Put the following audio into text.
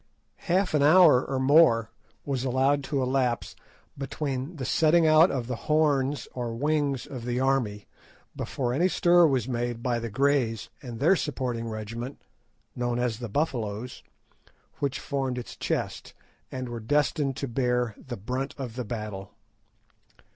Half an hour or more was allowed to elapse between the setting out of the horns or wings of the army before any stir was made by the Greys and their supporting regiment, known as the Buffaloes, which formed its chest, and were destined to bear the brunt of the battle.